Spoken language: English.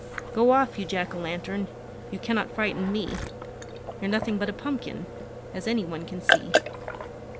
Go off! You Jack o' lantern! You can not frighten me, You're nothing but a pumpkin As any one can see!